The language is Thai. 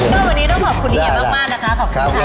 ก็วันนี้ต้องขอบคุณเฮียมากนะคะขอบคุณค่ะ